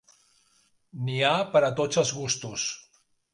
N'hi ha per a tots els gustos.